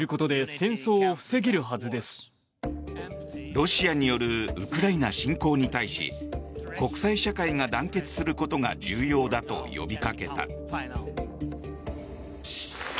ロシアによるウクライナ侵攻に対し国際社会が団結することが重要だと呼びかけた。